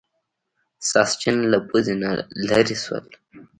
ساسچن له پوزې نه لرې شول.